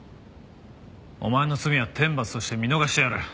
お前の罪は天罰として見逃してやる。